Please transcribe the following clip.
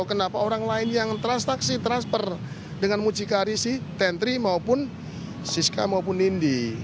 kenapa orang lain yang transaksi transfer dengan mucikari si tentri maupun siska maupun nindi